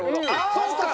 そうか！